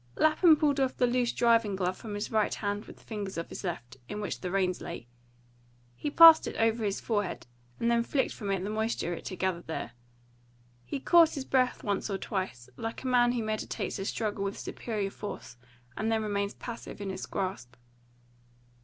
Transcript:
Lapham pulled off the loose driving glove from his right hand with the fingers of his left, in which the reins lay. He passed it over his forehead, and then flicked from it the moisture it had gathered there. He caught his breath once or twice, like a man who meditates a struggle with superior force and then remains passive in its grasp.